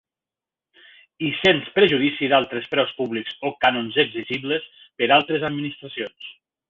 I sens perjudici d'altres preus públics o cànons exigibles per altres administracions.